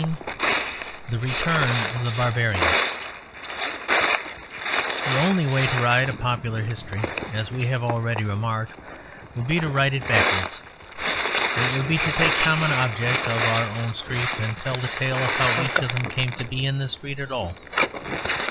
XVII THE RETURN OF THE BARBARIAN The only way to write a popular history, as we have already remarked, would be to write it backwards. It would be to take common objects of our own street and tell the tale of how each of them came to be in the street at all.